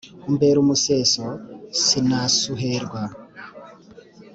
umbera umuseso sinasuherwa